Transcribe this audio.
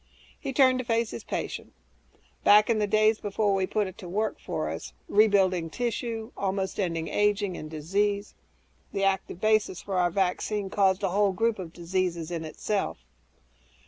He turned to face his patient, "Back in the days before we put it to work for us rebuilding tissue, almost ending aging and disease the active basis for our vaccine caused a whole group of diseases, in itself."